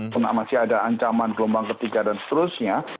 karena masih ada ancaman gelombang ketiga dan seterusnya